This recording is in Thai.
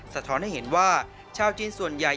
สะท้อนให้เห็นว่าชาวจีนส่วนใหญ่